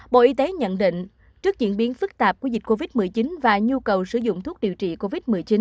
bộ y tế nhận định trước diễn biến phức tạp của dịch covid một mươi chín và nhu cầu sử dụng thuốc điều trị covid một mươi chín